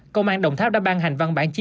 công an đồng tháp đã ban hành văn bản chỉ